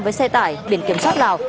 với xe tải biển kiểm soát lào